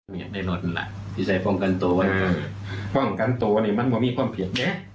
ในรถนั่นละที่ใส่พ่อกันตัวพ่อกันตัวนี่มันมีภาพเหลือ